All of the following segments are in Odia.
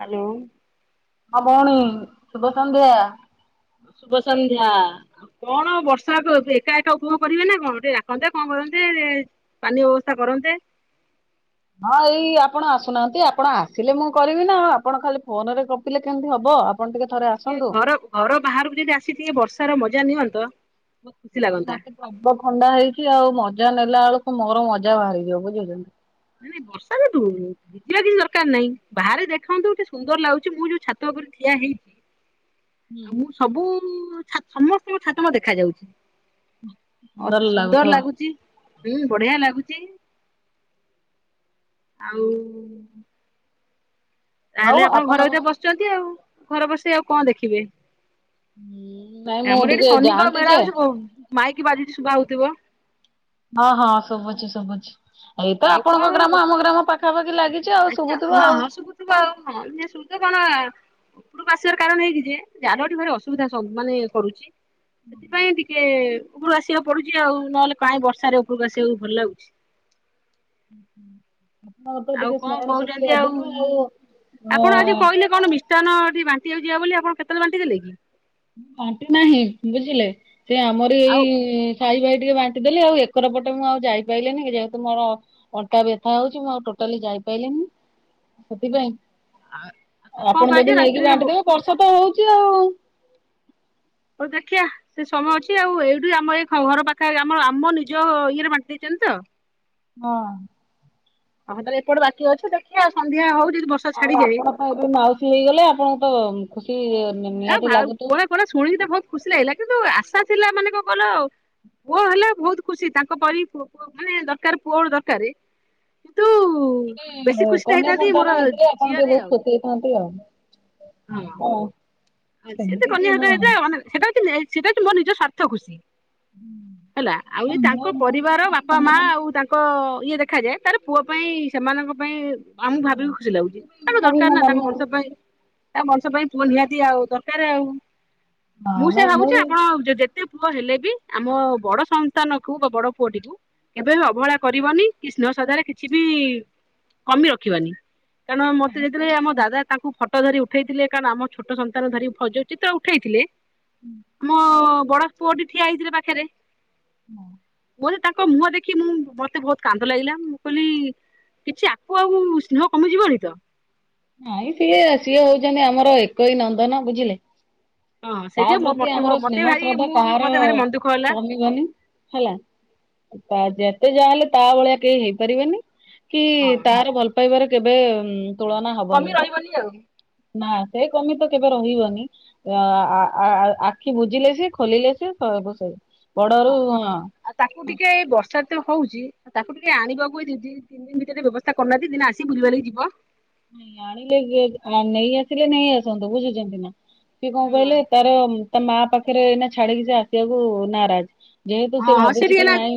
ହ୍ୟାଲୋ ହଁ ଭଉଣୀ ଶୁଭ ସନ୍ଧ୍ୟା ଶୁଭ ସନ୍ଧ୍ୟା କଣ ବର୍ଷା ଏକା ଏକା ଉପଭୋଗ କରିବେ ନା କଣ ଟିକେ ଡାକନ୍ତେ କଣ କରନ୍ତେ ପାନୀୟ ବ୍ୟବସ୍ଥା କରନ୍ତେ ହଁ ଏଇ ଆପଣ ଆସୁନାହାନ୍ତି ଆପଣ ଆସିଲେ ମୁଁ କରିବି ନା ଆଉ ଆପଣ ଖାଲି ଫୋନ ରେ ଗପିଲେ କେମିତି ହବ ଆପଣ ଥରେ ଟିକେ ଆସନ୍ତୁ। ଘର ଘର ବାହାରକୁ ଯଦି ଆସିଥିବେ ବର୍ଷାର ମଜା ନିଅନ୍ତ ବହୁତ ଖୁସି ନାଇଁ ଲାଗନ୍ତା ମତେ ପ୍ରବଳ ଥଣ୍ଡା ହେଇଚି ଆଉ ମଜା ନେଲା ବେଳକୁ ମୋର ମଜା ବାହାରିଯିବ [unintelligible] ନାଇଁ-ନାଇଁ ବର୍ଷା [unintelligible] [unintelligible] କିଛି ଦରକାର ନାହିଁ, ବାହାରେ ଦେଖନ୍ତୁ [unintelligible] ସୁନ୍ଦର୍ ଲାଗୁଚି ମୁଁ ଯୋଉ ଛାତ ଉପରେ ଠିଆ ହେଇଚି। ହୁଁ। ଆଉ ମୁଁ ସବୁ ଛା ସମସ୍ତଙ୍କ ଛାତ ମତେ ଦେଖା ଯାଉଚି। ଅତି ସୁନ୍ଦର ଲାଗୁଚି, ହୁଁ ବଢିଆ ଲାଗୁଚି। ଆଉ ତାହେଲେ ଆପଣ ଘର ଭିତରେ ବସ୍ଚନ୍ତି ଆଉ, ଘର ବସେଇ ଆଉ କଣ ଦେଖିବେ। ନାଇଁ ମୁଁ ଆମର ଏଠି ଟିକେ ଶନିଙ୍କ ଯାଆନ୍ତି ମେଳା ଯେ ହଉଚି, ବ ମାଇକି ବାଜୁଚି ଶୁଭା ହଉଥିବ। ହଁ-ହଁ ଶୁବୁଚି-ଶୁବୁଚି, ଏଇତ ଆଉ କଣ ଆପଣଙ୍କ ଗ୍ରାମ ଆମ ଗ୍ରାମ ପାଖାପାଖି ଲାଗି ଚି ଆଉ ହଁ ଶୁଭୁଥିବ ଆଉ। [inaudible] ଉପୁରୁକୁ ଆସିବାର କାରଣ ଏହିକି ଯେ, [unintelligible] ଭାରି ଅସୁବିଧା ମାନେ କରୁଚି। ସେଥିପାଇଁ ଟିକେ ଉପରକୁ ଆସିବାକୁ ପଡୁଚି ଆଉ, ନହେଲେ କାଇଁ ବର୍ଷାରେ ଉପରକୁ ଆସିବାକୁ ଭଲ ଲାଗୁଛି। ମୋର ତ ଆଉ ଟିକେ କଣ ସ୍ମରଣ କହୁଛନ୍ତି ଶକ୍ତି ଅଧିକ ଆଉ ଆପଣ ଅଁ [unintelligible] ମିଷ୍ଟାନ ଏଠି ବାଣ୍ଟିିବାକୁ ଯିବା ବୋଲି ଆପଣ କେତବଳେ ବାଣ୍ଟି ଦେଲେ କି? ବାଣ୍ଟି ନାହିଁ ବୁଝିଲେ, ସେ ଆମରି ଆଉ ଏଇ ସାଇ ଭାଇ ଟିକେ ବାଣ୍ଟି ଦେଲି, ଆଉ ଏକର ପଟେ ମୁଁ ଆଉ ଯାଇପାଇଲିନି ଯେହେତୁ ମୋର ଅଣ୍ଟା ବ୍ୟଥା ହଉଚି ମୁଁ ଆଉ ଟୋଟାଲି ଯାଇପାଇଲିିନି, ସେଥିପାଇଁ କଣ ଆପଣ କୁହାଯାଏ ଯଦି ନେଇକି ରାତ୍ରିରେ ହଉ ବାଣ୍ଟିଦବେ, ବର୍ଷା ତ ହଉଚି ଆଉ। ହଉ ଦେଖିିଆ। ସେ ସମୟ ଅଛି ଆଉ ଏଇଠି ଆମ ଏ ଘର ପଖାପାଖି ଆମ-ଆମ ନିଜ ଇଏରେ ବାଣ୍ଟି ଦେଇଚନ୍ତି ତ? ହଁ। ହଁ ତାହେଲେ ଏପଟେ ବାକି ଅଛି, ଦେଖିଆ ସନ୍ଧ୍ୟା ହଉ ଯଦି ବର୍ଷା ଆଉ ଛାଡିଯାଏ ଆପଣ ତ ଏବେ ମାଉସୀ ହେଇଗଲେ, ଆପଣଙ୍କୁ ତ ଖୁସି ଆ ନିହାତି ଲାଗୁଥିବ। [unintelligible] ଶୁଣିକି ତ ବହୁତ୍ ଖୁସି ଲାଗିଲା କିନ୍ତୁ ଆଶା ଥିଲା ମାନେ କଣ କଇଲ ପୁଅ ହେଲା ବହୁତ୍ ଖୁସି ତାଙ୍କ [unintelligible] ମାନେ ଦରକାର୍ ପୁଅ ଦରକାରେ। [unintelligible] ଖୁସି ଟା କନ୍ୟା ହେଇଥାନ୍ତି ମୋର ସନ୍ତାନ ହେଇଥିଲେ ଆପଣ ଟିକେ ଝିଅରେ ବହୁତ୍ ଆଉ। ଖସି ହେଇଥାନ୍ତି ଆଉ। ହଁ। ହଁ। ଆ ସେ ଯଦି ସେମିତି କି କନ୍ୟା [unintelligible] ହଁ ସେଟା ସେଇଟା ହଉଚି ମୋ ନିଜ ସ୍ୱାର୍ଥ ଖୁସି। ହେଲା ଆଉ ନା ଏ ମୋ ତାଙ୍କ ମୁଁ ବି ପରିବାର ଭାରି ବାପା ମନେ ମା ମନେ ଆଉ ତାଙ୍କ କ ଇଏ ଦେଖାଯାଏ ତାର ପୁଅ ପାଇଁ ସେମାନଙ୍କ ପାଇଁ ଆମୁକୁ ଭାବିକି ଖୁସି ଲାଗୁଚି, ତାଙ୍କୁ ମୁଁ ବି ଦରକାର୍ ମୋ ନା ତାଙ୍କ ମନ ବଂଶ ପାଇଁ ତାଙ୍କ ବଂଶ ପାଇଁ ପୁଅ ନିହାତି ଆଉ ଦରକାରେ ଆଉ, ମୁଁ ହଁ ସେୟା ନାଇଁ ଭାବୁଚି ବି ଆପଣ [unintelligible] ଯେ ତେ ପୁଅ ହେଲେ ବି ଆମ ବଡ ସନ୍ତାନ କୁ ବା ବଡ ପୁଅଟିକୁ କେବେ ବି ଅବହେଳା କରିବନି କି ସ୍ନେହ ଶ୍ରଦ୍ଧା ରେ କିଛି ବି କମି ରଖିବନି। କାରଣ ମତେ ନାଇଁ ଯେତେଳେ ସେଇଟା ଆମ ଦାଦା ତାଙ୍କୁ ଫଟୋ ଧରି ଉଠେଇଥିଲେ କାରଣ ଆମ ଛୋଟ ସ ନ୍ତାନ ଧରି [unintelligible] ତ ଉଠାଇଥିଲେ। ମୋ ବଡ ପୁଅଟି ଠିଆ ହେଇଥିଲେ ପାଖେରେ। ହୁଁ। ମୋତେ ତାଙ୍କ ମୁହଁ ଦେଖି ମୁଁ ମତେ ବହୁତ୍ କାନ୍ଦ ଲାଗିଲା, ମୁଁ କହିଲି କିଛି ଆକୁ ଆଉ ସ୍ନେହ କମିଯିବନି ତ? ନାଇଁ ସିଏ-ସିଏ ହଉଚନ୍ତି ଆମର ଏକୋଇ ନନ୍ଦନ ବୁଝିଲେ। ହଁ ତା ସେଇଥି ପ୍ରତି ଆମର ମତେ ସ୍ନେହ ଭାରି ଶ୍ରଦ୍ଧା ମୁଁ କାହାର ମତେ ଭାରି ମନ ଦୁଃଖ ହେଲା କମିବନି। ହେଲା ତା ଯେତେ ଯାହାହେଲେ ତାଭଳିଆ କେହି ହେଇପାରିବେନି ହଁ କିତାର ଭଲ ପାଇବାରେ କେବେ ତୁଳନା ହ କମି ରହିବନି ଆଉ। ନା ସେକମିତ କେବେ ରହିବନି। ଆଁ ଆଁ ଆଁ ଆଁ ଆଖି ବୁଝିଲେ ସିଏ ଖୋଲିଲେ ସିଏ ସବୁସେଇ ହଁ। ବଡ଼ଅଳୁ ନୁହଁ। ଆଉ ତାକୁ ଟିକେ ବର୍ଷାଏତେ ହଉଚି ତାକୁ ଟିକେ ଆଣିବାକୁ ଏଇ ଦିଦି ତିନିଦିନି ଭିତରେ ବ୍ୟସ୍ତତା କରନାହାନ୍ତି ଦିନେ ଆସି ବୁଲିବାଲିକି ଯିବ। ନାଇଁ ଆଣିଲେ କିଏ ନେଇ ଆସିଲେ ନେଇ ଆସନ୍ତୁ ବୁଝୁଚନ୍ତିନା ସିଏ କଣ କହିଲେ ତାରତା ମା ପାଖରେ ଏଇନା ଛାଡ଼ିକି ସେ ଆସିବାକୁ ନାରାଜ୍। ହଁ ଯେହେତୁସେ ହଁ ସେ ଟିକେ ଭାବୁଚିକି ନା ନାଇଁ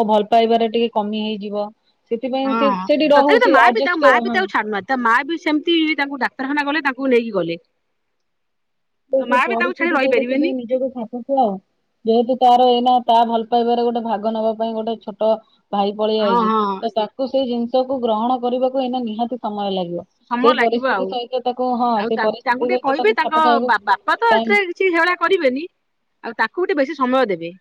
ମୋଭଲ ପାଇବାରେ ଟିକେ କମି ହେଇଯିବ। ସେଥିପାଇଁ ହଁ ସେ ସେଠି ରହ ସେଆର୍ଜସେଷ୍ଟ ହଁ। ତାମାବି ସେମିତି ତାଙ୍କୁ ଡାକ୍ତରଖାନା ଗଲେ ତାଙ୍କୁ ନେଇକି ଗଲେ। ତସେଇ ମା ବି ତାଙ୍କୁ ଛାଡି ପରିସ୍ଥିତି ସହିତ ରହିପାରିବେନି ସେଟିକେ ନିଜକୁ ସ [unintelligible] ଯେହେତୁ ତାର ଏଇନା ତାଭଲ ପାଇବାରେ ଗୋଟେ ଭାଗ ନବା ପାଇଁ ଗୋଟେ ଛୋଟ ଭାଇ ହଁ ପଳେଇଆଇଚି ହଁ ତତାକୁ ସେଇ ଜିନିଷକୁ ଗ୍ରହଣ କରିବାକୁ ଏଇନା ନିହାତି ସମୟ ଲାଗିବ। ସମୟ ସେଇ ଲାଗିବ ଆଉ। ପରିସ୍ଥିତି ସହିତ ତାକୁ ହଁ ସେଇ ପରିସ୍ଥିତି ସହିତ ତାକୁ ଖାପ ଖାଇବାକୁ ବାପାତ ଟାଇମ୍ ଏଥିରେ କିଛି ହେଳା କରିବେନି ଆଉ ତାକୁ ଟିକେ ବେଶୀ ସମୟ ଦେବେ।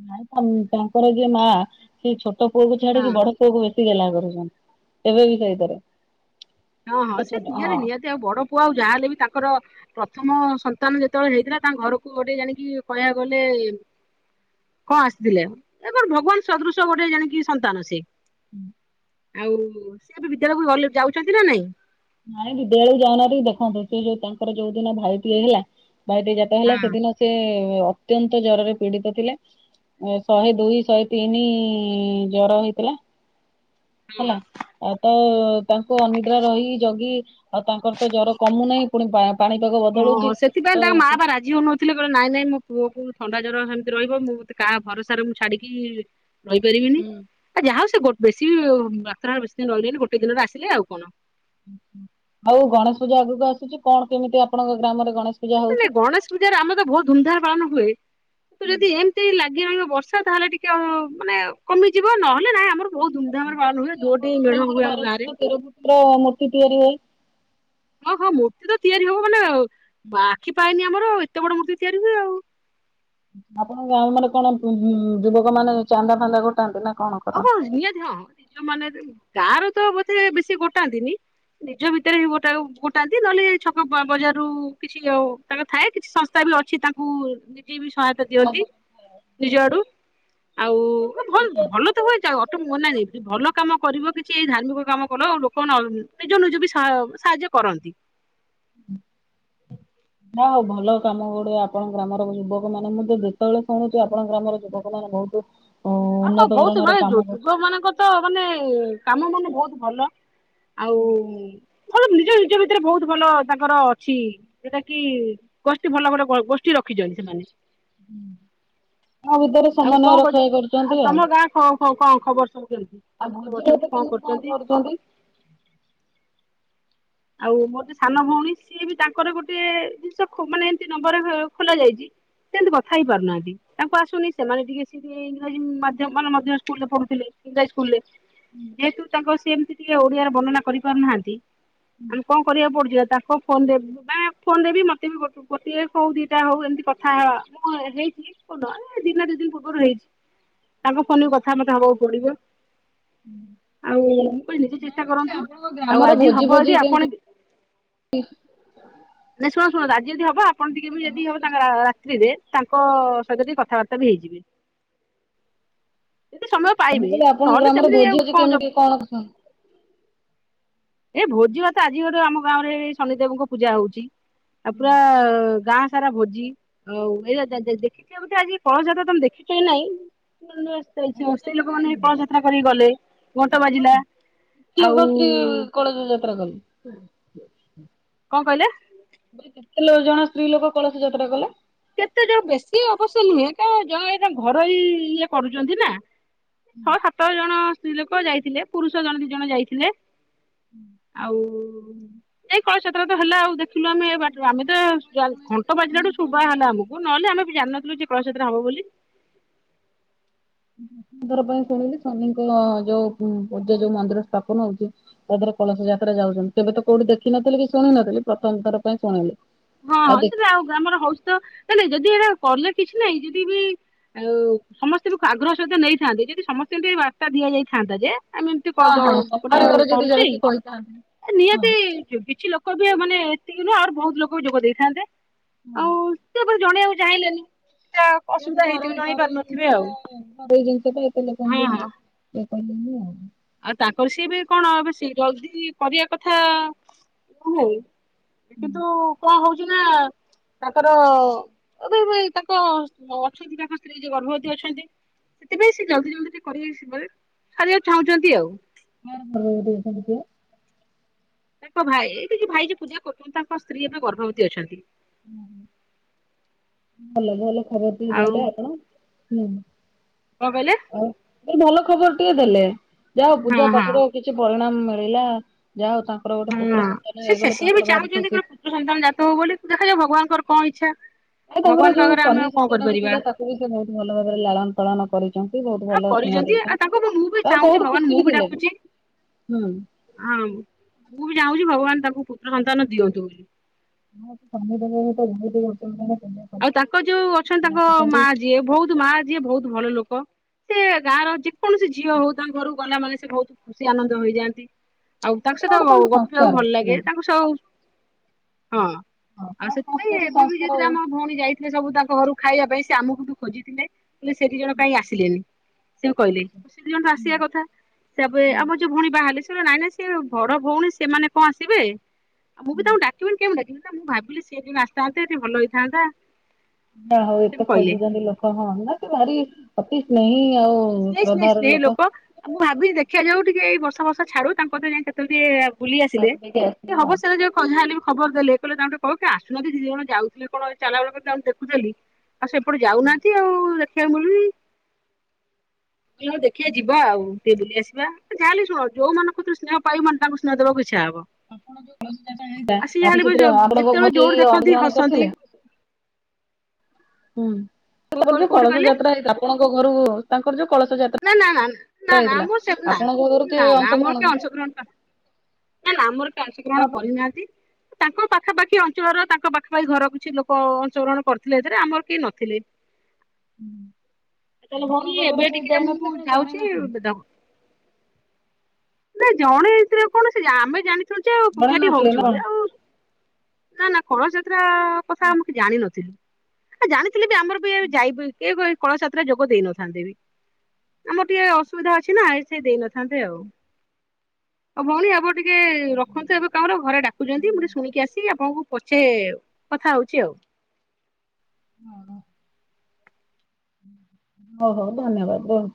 [unintelligible] ତାଙ୍କର ଯିଏ ମାଁ ସିଏ ଛୋଟ ପୁଅକୁ ହଁ। ଛାଡ଼ିକି ବଡ଼ ପୁଅକୁ ବେଶି ଗଲା କରୁଛନ୍ତି ଏବେବି ସେଇଥିରେ। ହଁ ହଁ ତ ଛୋଟ ସେନିହାତି ହଁ ନିହାତି ଆଉ ବଡ଼ପୁଅ ଆଉ ଯାହାହେଲେବି ତାଙ୍କର ପ୍ରଥମ ସନ୍ତାନ ଯେତେବେଳେ ହେଇଥିଲା ତାଙ୍କ ଘରକୁ ଗୋଟେ ଜାଣିକି କହିବାକୁ ଗଲେ କଣ ଆସିଥିଲେ ଏବଂ ଭଗବାନ୍ ସଦୃଶ ଗୋଟେ ଜାଣିକି ସନ୍ତାନସେ। ହୁଁ। ଆଉ ସେଏବେ ବିଦ୍ୟାଳୟକୁ ଗଲେ ଯାଉଚନ୍ତିନା ନାଇଁ? ନାଇଁ ବିଦ୍ୟାଳୟକୁ ଯାଉନାହାନ୍ତି ଦେଖନ୍ତୁ ସେଯୋଉ ତାଙ୍କର ଯୋଉ ଦିନ ଭାଇଟିଏ ହେଲା ଭାଇଟିଏ ଜାତ ହେଲା ସେଦିନ ସେ ଅତ୍ୟନ୍ତ ଜରରେ ପୀଡ଼ିତ ଥିଲେ। ଏ ଶହେ ଦୁଇ ଶହେ ତିନି ଜର ହେଇଥିଲା। ହଁ ହେଲା ଆ ତତାଙ୍କୁ ଅନିଦ୍ରା ରହି ଜଗି ଆଉ ତାଙ୍କରତ ଜ୍ୱର କମୁନାହିଁ ପୁଣି ବା ଅଁହଁ ସେଥିପାଇଁ ତାଙ୍କ ମାପା ରା ଝିଅ ନୋଉଥିଲେ କହିଲ ନାଇଁ ନାଇଁ ମୋ ପୁଅକୁ ଥଣ୍ଡା ଜର ହେମିତି ରହିବ ମୁଁ ମତେ କାହା ଭରସାରେ ମୁଁ ଛାଡ଼ିକି ରହିପାରିବିନି ଆଉ ଯାହା ହଉ ସେ ଗୋ ବେଶୀବି ମାତ୍ରାରେ ବେଶୀ ଦିନ ରହିଲେନି ଗୋଟେ ଦିନରେ ଆସିଲେ ଆଉ କଣ। ଆଉ ଗଣେଶ ପୂଜା ଆଗକୁ ଆସୁଚି କଣ କେମିତି ଆପଣଙ୍କ ଗ୍ରାମରେ ଗଣେଶ ପୂଜା ହଉଛି? ହେତେନେଇଁ ଗଣେଶ ପୂଜାରେ ଆମେତ ବହୁତ୍ ଧୁମଧାମରେ ପାଳନ ହୁଏ। ଯଦି ଏମିତି ଲାଗି ରହିବ ବର୍ଷା ତାହେଲେ ଟିକେ ମାନେ କମିଯିବ ନହେଲେ ନାହିଁ ଆମର ବହୁତ୍ ମୁଁ ଧୁମଧାମରେ ତ ପାଳନ ହୁଏ ଶୁଣିଛି ଦୋଟି ଆପଣଙ୍କ ମେଢ଼ ଗ୍ରାମରେ ହୁଏ ବାର ଆମ ଫୁଟ ଗାଁରେ। ତେର ଫୁଟ ର ମୂର୍ତ୍ତି ତିଆରି ହୁଏ। ହଁ ହଁ ମୂର୍ତ୍ତିତ ତିଆରି ହବ ମାନେ ଆ ଆଖି ପାଏନି ଆମର ଏତେ ବଡ଼ ମୂର୍ତ୍ତି ତିଆରି ହୁଏ ଆଉ। ଆପଣଙ୍କ ଗାଁରେ ମାନେ କଣ ଯୁବକ ମାନେ ଚାନ୍ଦା ଫାନ୍ଦା ଗୋଟାନ୍ତି ନା କଣ ଓହୋ ନିହାତି ହଁ ନିଜ ମାନେ ଗାଁରେତ ବୋଧେ ବେଶୀ ଗୋଟାନ୍ତିନି ନିଜ ଭିତରେ ଗୋଟା ଗୋଟାନ୍ତି ନହେଲେ ଛକ ବ ବଜାରରୁ କିଛି ଆଉ ତାଙ୍କ ଥାଏ କିଛି ସଂସ୍ଥାବି ଅଛି ତାଙ୍କୁ ନିଜେବି ସହାୟ କରନ୍ତି? ଦିଅନ୍ତି ନିଜଆଡ଼ୁ ଆଉ ହଁ ଭଲ୍ ଭଲ ଅଟାଇ ଭଲ କାମ କରିବ କିଛି ଏଇ ଧାର୍ମିକ କାମ କଲ ଆ ଲୋକ ନିଜ ନିଜବି ସାହାଯ୍ୟ କରନ୍ତି। ନା ହଉ ଭଲ କାମ ଗୋଡେ ଆପଣ ଗ୍ରାମର ଯୁବକ ମାନେ ମୁଁ ତ ଯେତେବେଳେ ଶୁଣୁଛି ଆପଣ ଗ୍ରାମର ଯୁବ କ ମାନେ ବହୁତୁ ହଁ ବହୁତୁ ମାନେ ଯୁବକ ମାନଙ୍କ ତ ମାନେ କାମ ମାନେ ବହୁତ ଭଲ ଆଉ ଭଲ ନିଜ ନିଜ ଭିତରେ ବହୁତ ଭଲ ତାଙ୍କର ଅଛି ଯୋଉଟା କି ଗୋଷ୍ଠୀ ଭଲ ଭଲ ଗୋଷ୍ଠୀ ରଖିଛନ୍ତି ସେମାନେ ତା ଭିତରେ ଆଉ ସମନୟ କଣ କହୁଛି ରକ୍ଷା କରଛି। ଆଉ ତମ ଗାଁ କଣ ଖବର ସବୁ କେମିତି କେମିତି ସବୁ ଅଛନ୍ତି କଣ କରୁଛନ୍ତି? ଆଉ ମୋର ଯୋଉ ସାନ ଭଉଣୀ। ସିଏ ବି ତାଙ୍କର ଗୋଟେ ଜିନିଷ ମାନେ ଏମିତି ନମ୍ବର ଖୋଲା ଯାଇଛି ସେମିତି କଥା ହେଇ ପାରୁନାହାନ୍ତି? ତାଙ୍କୁ ଆସୁନି ସେମାନେ ଟିକେ ସ ଟିକେ ଇରାଜୀ ମଧ୍ୟମ ସ୍କୁଲରେ ପଢୁଥିଲେ ଇଂରାଜୀ ସ୍କୁଲରେ ଯେହେତୁ ତାଙ୍କ ସେମତି ଟିକେ ଓଡିଆରେ ବର୍ଣ୍ଣନା କରିପାରୁନାହାନ୍ତି। ଆମେ କଣ କରିବାକୁ ପଡୁଛି ତାଙ୍କ ଫୋନ ରେ ବା ଫୋନରେ ବି ମତେ ବି ଗୋଟେ ହଉ ଦିଟା ହଉ ଏମିତି କଥା ହ ମୁଁ ହେଇଛି। ହ ନ ଦିନ ଦି ଦିନ ପୂର୍ବରୁ ହେଇଛି ତାଙ୍କ ଫୋନ କଥା ମତେ ହବାକୁ ପଡି଼ବ? ଆଉ ମୁଁ କଇଲି ନିଜେ ଚେଷ୍ଟା କରନ୍ତୁ ଆପଣଙ୍କ ଆଉ ଗ୍ରାମରେ ଆଜି ଭୋଜି ହବ ଭୋଜି ଯଦି ଆ କେମିତି ନାଇ ଶୁଣ ଶୁଣ ଆଜି ଯଦି ହବ ଆପଣ ଟିକେ ବି ଯଦି ହବ ତାଙ୍କ ରାତ୍ରିରେ ତାଙ୍କ ସହିତ ଟିକେ କଥାବାର୍ତ୍ତା ବି ହେଇଯିବେ? ଯଦି ସମୟ ମୁଁ ପାଇବେ କହିଲି ଆପଣଙ୍କ ନହେଲେ ଗ୍ରାମରେ ସେମିତି ଭୋଜି ଅଛି କଣ ଯବ କେମିତି କଣ କହ? ଏ ଭୋଜି ଭାତ ଆଜି ଗୋଟେ ଆମ ଗାଁ ରେ ଏଇ ଶନିଦେବଙ୍କ ପୂଜା ହଉଛି ଆଉ ପୁରା ଗାଁ ସାରା ଭୋଜି ଆଉ ଏଇ ଦେଖିକି ଗୋଟେ ଆଜି କଳସ ଯାତ୍ରା ତମେ ଦେଖିଛ ନାଇଁ ଅସ୍ତାଇ ଯାତ୍ରା ବି ଲୋକମାନେ କଳସି ଯାତ୍ରା କରିକି ଗଲେ। ଘଣ୍ଟ ହଁ ବାଜିଲା ଆଉ ହାଲୋ ସ୍ତ୍ରୀ କଳସ ଯାତ୍ରା କଲେ। କଣ କହିଲେ? କେତେ ଜଣ ସ୍ତ୍ରୀ ଲୋକ କଳସ ଯାତ୍ରା କଲେ? କେତେ ଜୋଉ ବେଶୀ ଅବସ୍ୟ ନୁହେଁ କ ଯଉ ଏଇଟା ଘରୋଇ ଇଏ କରୁଛନ୍ତି ନା? ଛଅ ସାତ ଜଣ ସ୍ତ୍ରୀ ଲୋକ ଯାଇଥିଲେ ପୁରୁଷ ଜଣ ଦି ଜଣ ଯାଇଥିଲେ? ଆଉ ଏଇ କଳସଯାତ୍ରା ତ ହେଲା ଆଉ ଦେଖ ଥିଲୁ ଆମେ ଏ ବାଟ ଆମେ ତ ଘଣ୍ଟ ବାଜିଲାଠୁ ଶୁଭା ହେଲା ଆମକୁ ନହେଲେ ଆମେ ବି ଜାଣିନଥିଲୁ ଯେ କଳସ ଯାତ୍ରା ହବ ବୋଲି? ପ୍ରଥମଥର ପାଇଁ ଶୁଣିଲି ଶନିଙ୍କ ଯୋଉ ପୂଜା ଯୋଉ ମନ୍ଦିର ସ୍ଥାପନ ହଉଛି। ତାଦେହରେ କଳସ ଯାତ୍ରା ଯାଉଛନ୍ତି କେବେ ତ କୋଉଠି ଦେଖିନଥିଲି କି ଶୁଣି ନଥିଲି ପ୍ରଥମ ଥର ପାଇଁ ଶୁଣିଲି? ହଁ ହଁ ସେଟା ଆଉ ଗ୍ରାମର ହଉଛି ତ ନାଇଁ ନାଇଁ ଯଦି ଏଇଟା କଲେ କିଛି ନାଇଁ ଯଦି ବି ଆଉ ସମସ୍ତେ ଆଗ୍ରହ ସହିତ ନେଇଥାନ୍ତେ ଯଦି ସମସ୍ତେଙ୍କୁ ବାର୍ତ୍ତା ଦିଆଯାଇଥାନ୍ତା ଯେ ଆମେ ଏମିତି ଗୋଟେ ଘରେ ଘରେ ଯଦି କରୁଛି ଯାଇକି କହିଥାନ୍ତି ନିହାତି କିଛି ଲୋ ଲୋକ ବି ମାନେ ଏତିକି ନୁହେଁ ଆହୁରି ବହୁତ ଲୋକ ଯୋଗ ଦେଇଥାନ୍ତେ। ହଁ। ସେପା ଜଣେଇଆକୁ ଚାହିଁଲେନି? ଯେହେତୁ ଅସୁବିଧା ହେଇଥିବ ଘରୋଇ ଜଣେଇ ଘରୋଇ ପାରୁନଥିବେ ଜିନିଷଟା ଆଉ। ଘରୋଇ ଜିନିଷଟା ଏତେ ହଁ ଲୋକଙ୍କୁ ହଁ। ନୁହେଁ। ଇଏ କରିଦେଲି ଆଉ ଆଉ ତାଙ୍କର ସିଏ ବି କଣ ଏବେ ସେ ଜଲଦି କରିବା କଥା ନୁହେଁ। କିନ୍ତୁ କଣ ହଉଛି ନା? ତାଙ୍କର ଏ ତାଙ୍କ ଅଛନ୍ତି ତାଙ୍କ ସ୍ତ୍ରୀ ଯିଏ ଗର୍ଭବତୀ ଅଛନ୍ତି। ସେଥିପାଇଁ ସେ ଜଲଦି ଜଲଦି ଟିକେ କରି ସିବାକୁ ଚାହୁଁଛନ୍ତି ଆଉ କାହାର ଗର୍ଭବତୀ ଅଛନ୍ତି ସିଏ? ତାଙ୍କ ଭାଇ କିଛି ଭାଇ ଯେ ପୂଜା କରୁଛନ୍ତି ତାଙ୍କ ସ୍ତ୍ରୀ ଏବେ ଗର୍ଭବତୀ ଅଛନ୍ତି। ହୁଁ ହୁଁ। ଭଲ ଭଲ ଖବର ବି ଆଉ ଦେଲେ ଆପଣ ହୁଁ କଣ କହିଲେ ଆଉ। ଏଇ ଭଲ ଖବର ଟିଏ ଦେଲେ ଯା ହଉ ହଁ ପୂଜା ହଁ ପାଠର କିଛି ପରିଣାମ ମିଳିଲା ଯା ହଉ ତା ତାଙ୍କର ଗୋଟେ ହଁ। ପୁତ୍ର ସନ୍ତାନ ସେ ସେ ହେଇଗଲେ ସିଏ ବି ତାଙ୍କର ଭାରି ଚାହୁଁଛନ୍ତି ଖୁସି। ପୁତ୍ର ସନ୍ତାନ ଜାତ ହବ ବୋଲି ଦେଖାଯାଉ ଭଗବାନଙ୍କର କଣ ଇଚ୍ଛା। କାଇଁ ତାଙ୍କର ଭଗବାନ ଯୋଉ ପାଖରେ ଆମେ କନ୍ୟା ଆଉ କଣ ସନ୍ତାନ ବି କରିପାରିବା ଥିଲା ତାକୁ ବି ସେ ବହୁତ ଭଲ ଭାବରେ ଲାଳନ ପାଳନ କରିଛନ୍ତି ବହୁତ ଆଉ ଭଲ ସ୍ନେହ କରିଛନ୍ତି ଆଉ ଦେଇଛନ୍ତି ତାଙ୍କୁ ମୁଁ ବି ଆଉ ଚାହୁଁଛି ବହୁତ ଭଗବାନ ଖୁସି ବି ଥିଲେ। ହୁଁ। ଆଁଉଁ ମୁଁ ବି ଚାହୁଁଛି ଭଗବାନ ତାଙ୍କୁ ପୁତ୍ର ସନ୍ତାନ ଦିଅନ୍ତୁ ବୋଲି। ମତେ ସମସ୍ତେ ବହୁତ ଭଲ ପାଇବା ଦେଲେ। ଆଉ ତାଙ୍କର ଯୋଉ ଅଛନ୍ତି ତାଙ୍କ ମା ଯୋ ସିଏ ବହୁତ ମା ଯିଏ ବହୁତ ଭଲ ଲୋକ ସେ ଗାଁ ର ଯେକୌଣସି ଝିଅ ହଉ ତାଙ୍କ ଘରକୁ ଗଲା ମାନେ ସେ ବହୁତ ଖୁସି ଆନନ୍ଦ ହେଇଯାଆନ୍ତି। ଆଉ ତାଙ୍କ ସେଟା ସହିତ ଗୋଟେ ଗ ଗପିବାକୁ ସଂସ୍କାର। ଭଲ ଲାଗେ ତାଙ୍କ ସହ ହଁ। ହଁ ଆଉ ସେଥିପାଇଁ ସଂସ୍କାର ଏବେ ବି ସଂସ୍କାର ଯୋଉଥିରେ ଆମ ଭଉଣୀ ଯାଇଥିଲେ ସବୁ ତାଙ୍କ ଘରକୁ ଖାଇବା ପାଇଁ ସେ ଆମକୁ ବି ଖୋଜିଥିଲେ। ହେଲେ ସେ ଦି ଜଣ କାହିଁ ଆସିଲେନି ସେ କହିଲେ ସେ ଦି ଜଣ ତ ଆସିବା କଥା। ତାପରେ ଆମର ଯୋଉ ଭଉଣୀ ବାହାହେଲେ ସିଏ କହିଲେ ନାଇଁ ନାଇଁ ସିଏ ବଡ ଭଉଣୀ ସେମାନେ କଣ ଆସିବେ। ଆଉ ମୁଁ ବି ତାଙ୍କୁ ଡାକିବିନି କେମିତି ଡାକିବି ନାଁ ମୁଁ ଭାବିଲି ସେମାନେ ଆସିଥାନ୍ତେ ଟିକେ ଭଲ ହେଇଥାନ୍ତା। ଯା ହଉ ସେ ବି ଏତେ କହିଲେ। ଖୋଜୁଛନ୍ତି ଲୋକ ହଁ ନାଁ କି ବାରି ଅତିଶ ନାହିଁ ଆଉ ସ୍ନେହି ସ୍ନେହି ଶ୍ରାଦ୍ଧର ସ୍ନେହି ଲୋକ। ଆଉ ମୁଁ ଭାବିଲି ଦେଖିବା ଯୋଉ ଟିକେ ଏଇ ବର୍ଷା ଫର୍ଷା ଛାଡୁ ତାଙ୍କ କତିରେ ଯାଇଁ କେତେବେଳେ ଟିକେ ଆଉ ବୁଲି ଆସିଲେ ଦେଇକି ଆସିବ ଟିକେ ଆଉ ହବ ସେ ଯୋଉ ଖଲିଆ ଆଲିଙ୍କୁ ଖବର ଦେଲେ କହିଲେ ତାଙ୍କୁ ଟିକେ କହିବୁ ଟିକେ ଆସୁନାହାନ୍ତି ଦି ଜଣ ଯାଉଥିଲେ କଣ ଚାଲିଲା ବେଳକୁ ତାଙ୍କୁ ଦେଖୁଥିଲି ଆଉ ସେପଟେ ଯାଉନାହାନ୍ତି ଆଉ ଦେଖିବାକୁ ମିଳୁନି। ଦିନେ ଦେଖିବା ଯିବା ଆଉ। ଟିକେ ବୁଲି ଆସିବା ଯାହାଲେ ଶୁଣ ଯୋଉମାନଙ୍କ କତିରୁ ସ୍ନେହ ପାଇବ ମାନେ ତାଙ୍କୁ ସ୍ନେହ ଦେବାକୁ ଇଚ୍ଛା ହବ। ଆ ସିଏ ଆପଣ ଆଇଲା ମାନେ ସେଥିରେ ଝଗ ଆପଣଙ୍କ ଘର ଯେତେବେଳେ କେହି ଯୋଉଠି ଦେଖନ୍ତି ଅନୁଗ୍ରହଣ କରିଥିଲେ? ହସନ୍ତି। ହୁଁ କୋଉ ତାଙ୍କର କୋଉ ଯୋଉ କୋଉଠି କଳସ କହିଲେ ଯାତ୍ରା ହେଇଥିଲା ଆପଣଙ୍କ ଘରୁ ତାଙ୍କର ଯୋଉ କଳସ ଯା ନା ନା ନା ନା ନା ଯାଇଥିଲା ଆମର ସେ ନା ଆପଣଙ୍କ ଘରୁ ନା କିଏ ନା ଅଂଶଗ୍ରହଣ କରିଥିଲେ? ନାଁ ନାଁ ଆମର କିଏ ଅଂଶଗ୍ରହଣ କରିନାହାନ୍ତି। ତାଙ୍କ ପାଖାପାଖି ଅଞ୍ଚଳର ତାଙ୍କ ପାଖାପାଖି ଘର କିଛି ଲୋକ ଅଶଂଗ୍ରହଣ କରିଥିଲେ ଯେ ଆମର କେହି ନଥିଲେ। [inaudible] ହୁଁ। ତାହେଲେ ଭଉଣୀ ଏବେ ଟିକିଏ ମୁଁ ଯାଉଛି ବେଦ ନାଁ ଜଣେ ଏଥିରେ କଣ ସେ ଆମେ ଜାଣି ଛୁ ଯୋଉ ଜଣେଇ ପୂଜାଟି ନଥିଲେ ନା ହଉଛି କଣ? ବୋଲି ଆଉ ନାଁ ନାଁ କଳସ ଯାତ୍ରା କଥା ମୁଁ କିଛି ଜାଣିନଥିଲି। ଆ ଜାଣିଥିଲେ ବି ଆମର ବି ଏବେ ଯାଇବି କିଏ କ କଳସ ଯାତ୍ରାରେ ଯୋଗ ଦେଇନଥାନ୍ତେ ବି ଆମର ଟିକେ ଅସୁବିଧା ଅଛି ନାଁ ହେଇ ସେ ଦେଇନଥାନ୍ତେ ଆଉ। ଆଉ ଭଉଣୀ ଆପଣ ଟିକେ ରଖନ୍ତୁ ଏବେ କାରଣ ଘରେ ଡାକୁଛନ୍ତି ମୁଁ ଟିକେ ଶୁଣିକି ଆସିି ଆପଣଙ୍କୁ ପଛେ କଥା ହଉଛି ଆଉ। ହୁଁ ହୁଁ। ହୁଁଁ ହୁଁ ହୁଁ। ହଉ ହଉ ଧନ୍ୟବାଦ୍ ରହୁ